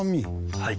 はい。